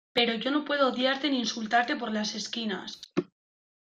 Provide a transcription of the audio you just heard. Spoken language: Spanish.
pero yo no puedo odiarte ni insultarte por las esquinas